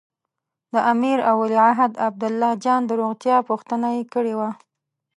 د امیر او ولیعهد عبدالله جان د روغتیا پوښتنه یې کړې وه.